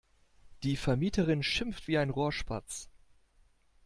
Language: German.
Die Vermieterin schimpft wie ein Rohrspatz.